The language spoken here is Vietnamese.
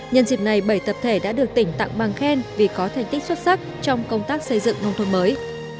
nhân dịp này bảy tập thể đã được tỉnh tặng bằng khen vì có thành tích xuất sắc trong công tác xây dựng nông thôn mới